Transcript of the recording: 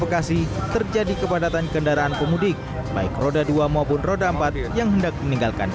bekasi terjadi kepadatan kendaraan pemudik baik roda dua maupun roda empat yang hendak meninggalkan